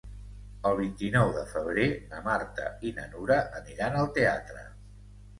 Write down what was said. El vint-i-nou de febrer na Marta i na Nura aniran al teatre.